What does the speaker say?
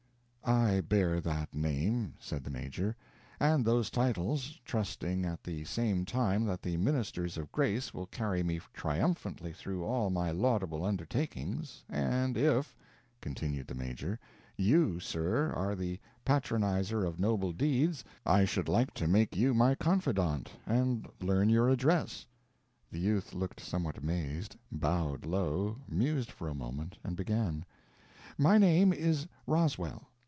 "I bear that name," said the Major, "and those titles, trusting at the same time that the ministers of grace will carry me triumphantly through all my laudable undertakings, and if," continued the Major, "you, sir, are the patronizer of noble deeds, I should like to make you my confidant and learn your address." The youth looked somewhat amazed, bowed low, mused for a moment, and began: "My name is Roswell.